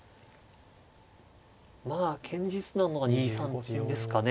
まあ堅実なのが２三金ですかね。